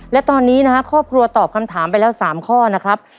และตอนนี้นะครับครอบครัวตอบคำถามไปแล้ว๓ข้อนะครับ